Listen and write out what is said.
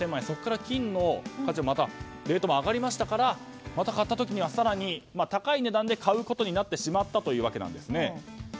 そこから金の価値レートも上がりましたから買った時はまた更に高い値段で買うことになってしまったということです。